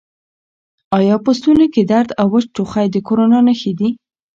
آیا په ستوني کې درد او وچ ټوخی د کرونا نښې دي؟